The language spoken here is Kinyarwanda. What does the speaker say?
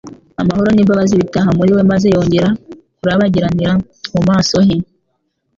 amahoro n'imbabazi bitaha muri we, maze yongera kurabagiranira mu maso he.